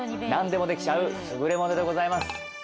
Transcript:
なんでもできちゃう優れものでございます。